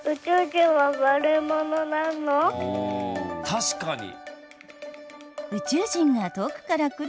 ☎確かに！